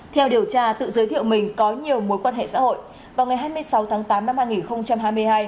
theo điều tra tự giới thiệu mình có nhiều mối quan hệ xã hội vào ngày hai mươi sáu tháng tám năm hai nghìn hai mươi hai